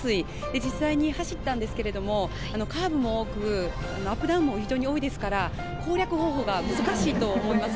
実際に走ったんですけどカーブも多くアップダウンも非常に多いですから、攻略方法は難しいと思います。